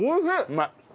うまい。